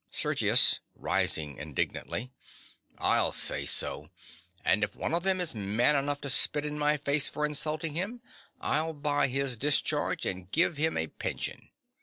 SERGIUS. (rising indignantly). I'll say so. And if one of them is man enough to spit in my face for insulting him, I'll buy his discharge and give him a pension.